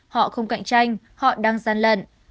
họ không cạnh tranh họ đang gian lận